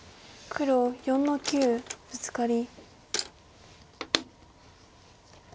黒４の九ブツカリ。